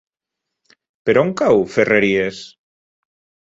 Per on cau Ferreries?